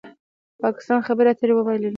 پاکستان خبرې اترې وبایللې